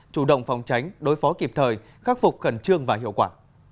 chủ động phòng tránh đối phó kịp thời khắc phục khẩn trương và hiệu quả